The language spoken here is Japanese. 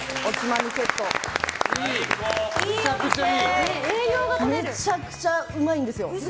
めちゃくちゃうまいんですよ！